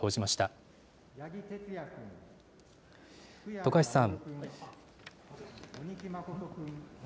徳橋さん。